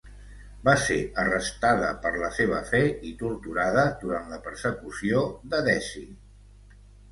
Va ser arrestada per la seva fe i torturada durant la persecució de Deci.